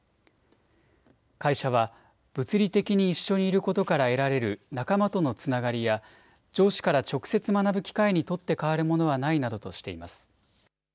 会社は物理的に一緒にいることから得られる仲間とのつながりや上司から直接学ぶ機会に取って代わるものはないなどとしています。